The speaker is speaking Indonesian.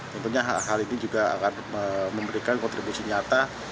tentunya hal ini juga akan memberikan kontribusi nyata